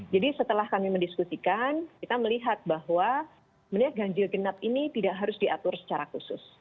jadi setelah kami mendiskusikan kita melihat bahwa menilai ganjil genap ini tidak harus diatur secara khusus